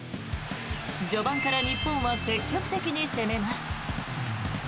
序盤から日本は積極的に攻めます。